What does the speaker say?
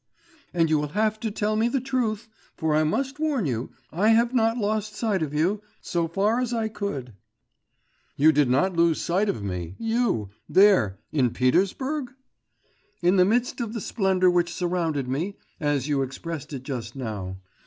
And you will have to tell me the truth, for I must warn you, I have not lost sight of you ... so far as I could.' 'You did not lose sight of me, you ... there ... in Petersburg?' 'In the midst of the splendour which surrounded me, as you expressed it just now.